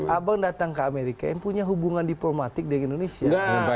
abang datang ke amerika yang punya hubungan diplomatik dengan indonesia